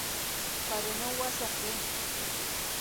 Però no ho has de fer!